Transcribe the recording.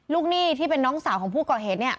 ลูกหนี้ที่เป็นน้องสาวของผู้เกาะเหตุ